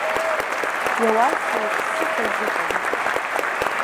Иауазеи ԥсыхәа зыҟам?